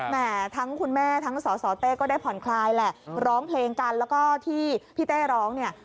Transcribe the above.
ทั้งคุณแม่ทั้งสสเต้ก็ได้ผ่อนคลายแหละร้องเพลงกันแล้วก็ที่พี่เต้ร้องเนี่ย